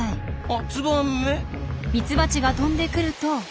あツバメ？ミツバチが飛んでくると。